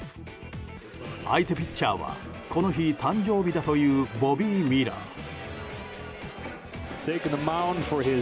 相手ピッチャーはこの日、誕生日だというボビー・ミラー。